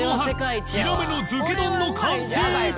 ヒラメの漬け丼の完成